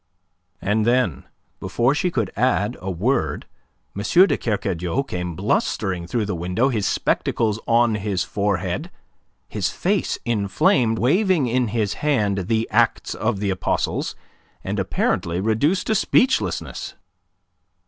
And then before she could add a word, M. de Kercadiou came blustering through the window, his spectacles on his forehead, his face inflamed, waving in his hand "The Acts of the Apostles," and apparently reduced to speechlessness.